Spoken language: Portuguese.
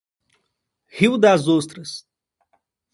Rio das Ostras